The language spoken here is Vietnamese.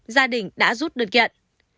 gia đình đã rút đơn kiện